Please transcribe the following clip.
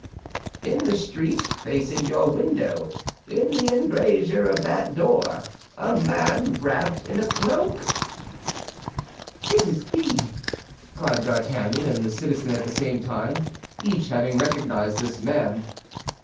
"In the street, facing your window, in the embrasure of that door—a man wrapped in a cloak." "It is he!" cried D'Artagnan and the citizen at the same time, each having recognized his man.